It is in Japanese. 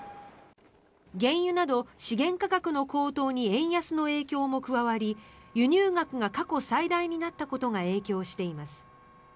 原油など資源価格の高騰に円安の影響も加わり輸入額が過去最大になったことが影響しています。